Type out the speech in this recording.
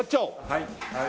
はい。